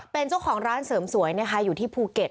เป็นเจ้าของร้านเสริมสวยนะคะอยู่ที่ภูเก็ต